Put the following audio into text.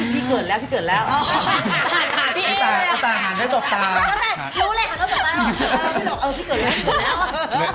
พี่หนูออกพี่เกิดแล้วพี่เกิดแล้ว